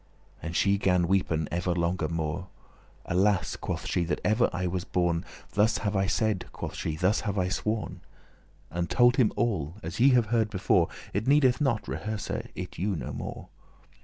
And she gan weepen ever longer more. "Alas," quoth she, "that ever I was born! Thus have I said," quoth she; "thus have I sworn. " And told him all, as ye have heard before: It needeth not rehearse it you no more.